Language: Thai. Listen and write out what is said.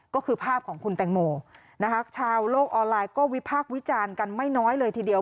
ก็คือภาพของคุณแตงโมนะคะชาวโลกออนไลน์ก็วิพากษ์วิจารณ์กันไม่น้อยเลยทีเดียว